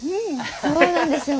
そうなんですよ。